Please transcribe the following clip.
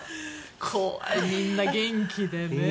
怖いみんな元気でね。